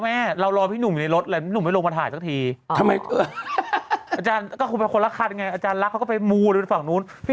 มันเพิ่งเล่นมันจะออกมาเล่นด้วยแล้วอังจี้